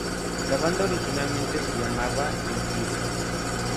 La banda originalmente se llamaba Empires.